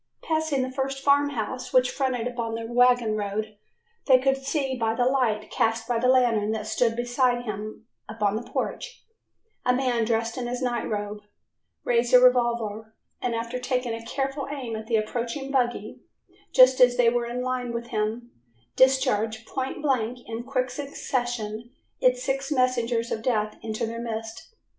Passing the first farm house which fronted upon the wagon road, they could see by the light cast by a lantern that stood beside him upon the porch, a man dressed in his night robe raise a revolver and after taking a careful aim at the approaching buggy, just as they were in line with him, discharge point blank in quick succession its six messengers of death into their midst.